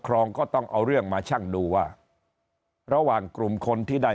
ครองก็ต้องเอาเรื่องมาช่างดูว่าระหว่างกลุ่มคนที่ได้